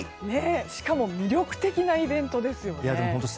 しかも魅力的なイベントですよね。